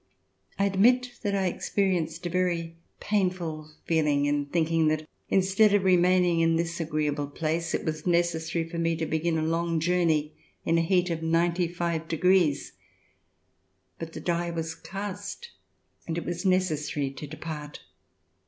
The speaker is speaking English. I admit that I experienced a very painful feeling in thinking that instead of remaining in this agreeable place it was necessary for me to begin a long journey in a heat of 95 degrees. But the die was cast, and it was necessary to depart.